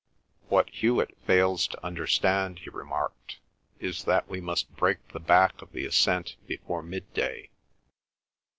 "What Hewet fails to understand," he remarked, "is that we must break the back of the ascent before midday."